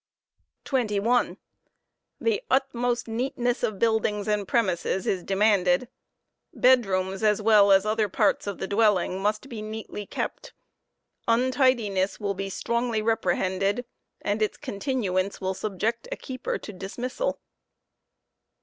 iTeatue&a de 21. The utmost neatness of buildings and premises is demanded.' Bedrooms, as Bumd * 4, well as other parts of the dwelling, must be neatly kept Untidiness will be strongly reprehended, and its continuance will subject a keeper to dismissal.